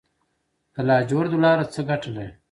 د لاجوردو لاره څه ګټه لري؟